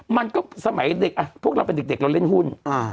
มันก็สมัยเด็กพวกเราเป็นเด็กเราเล่นหุ้น